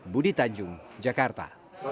budi tanjung jakarta